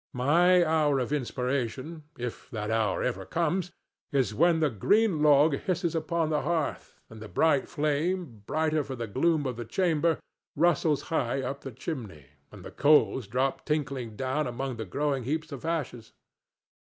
My hour of inspiration—if that hour ever comes—is when the green log hisses upon the hearth, and the bright flame, brighter for the gloom of the chamber, rustles high up the chimney, and the coals drop tinkling down among the growing heaps of ashes.